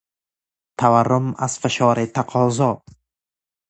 تورم از فشار تقاضا